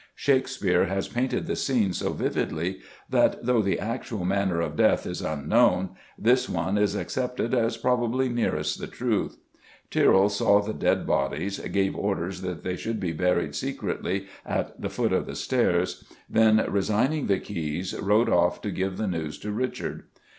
Shakespeare has painted the scene so vividly that, though the actual manner of death is unknown, this one is accepted as probably nearest the truth. Tyrrell saw the dead bodies, gave orders that they should be buried secretly "at the foot of the stairs," then, resigning the keys, rode off to give the news to Richard.